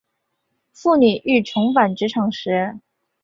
妇女欲重返职场时